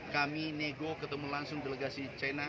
kami nego ketemu langsung delegasi china